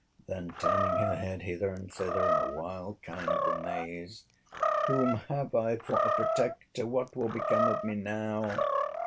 Then, turning her head hither and thither, in a wild kind of amaze. Whom have I for a protector! What will become of me now!